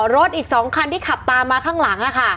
รถอีก๒คันที่ขับตามมาข้างหลัง